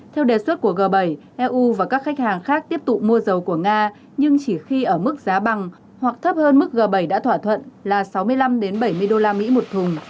theo đề xuất của g bảy eu và các khách hàng khác tiếp tục mua dầu của nga nhưng chỉ khi ở mức giá bằng hoặc thấp hơn mức g bảy đã thỏa thuận là sáu mươi năm bảy mươi usd một thùng